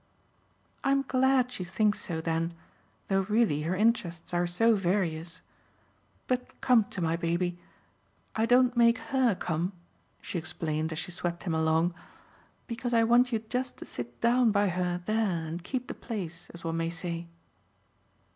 "I'm glad she thinks so then though really her interests are so various. But come to my baby. I don't make HER come," she explained as she swept him along, "because I want you just to sit down by her there and keep the place, as one may say